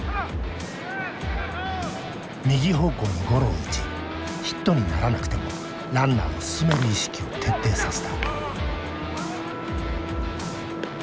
右方向にゴロを打ちヒットにならなくてもランナーを進める意識を徹底させた。